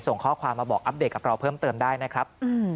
ส่งข้อความมาบอกอัปเดตกับเราเพิ่มเติมได้นะครับ